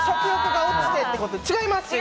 違います。